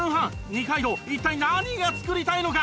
二階堂一体何が作りたいのか？